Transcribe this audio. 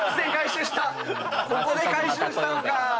ここで回収したのか。